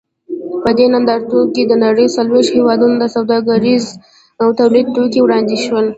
په دې نندارتون کې د نړۍ څلوېښتو هېوادونو سوداګریز او تولیدي توکي وړاندې شول.